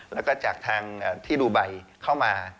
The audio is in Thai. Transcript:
แล้วก็จากทางที่ดูไบเข้ามา